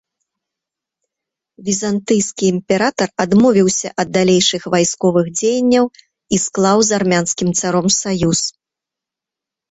Візантыйскі імператар адмовіўся ад далейшых вайсковых дзеянняў і склаў з армянскім царом саюз.